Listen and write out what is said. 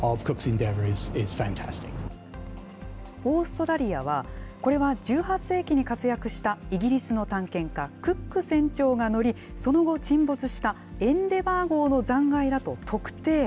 オーストラリアは、これは１８世紀に活躍したイギリスの探検家、クック船長が乗り、その後、沈没したエンデバー号の残骸だと特定。